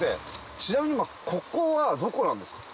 ちなみに今ここはどこなんですか？